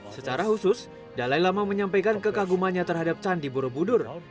secara khusus dalai lama menyampaikan kekagumannya terhadap candi borobudur